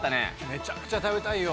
めちゃくちゃ食べたいよ。